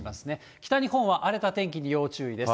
北日本は荒れた天気に要注意です。